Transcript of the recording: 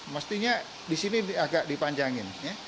mestinya di sini agak dipanjangin